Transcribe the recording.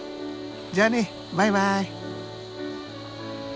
じゃあねバイバイ。